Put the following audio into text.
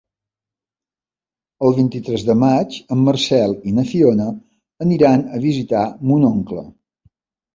El vint-i-tres de maig en Marcel i na Fiona aniran a visitar mon oncle.